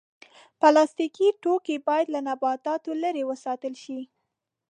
پلاستيکي توکي باید له نباتاتو لرې وساتل شي.